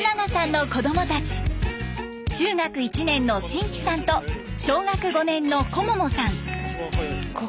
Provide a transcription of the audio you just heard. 中学１年の真喜さんと小学５年の瑚桃さん。